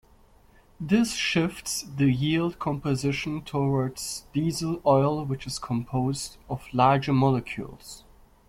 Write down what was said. This shifts the yield composition towards diesel oil which is composed of larger molecules.